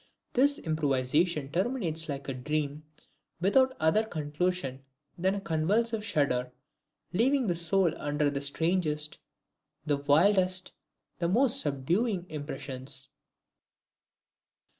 This improvisation terminates like a dream, without other conclusion than a convulsive shudder; leaving the soul under the strangest, the wildest, the most subduing impressions.